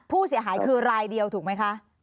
ผู้เสียหายคือรายเดียวถูกไหมคะ